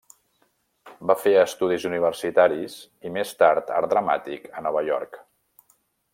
Va fer estudis universitaris i més tard art dramàtic a Nova York.